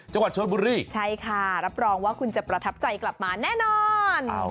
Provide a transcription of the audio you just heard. ใช่ค่ะรับรองว่าคุณจะประทับใจกลับมาแน่นอน